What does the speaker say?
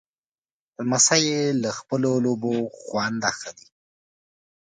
لمسی له خپلو لوبو خوند اخلي.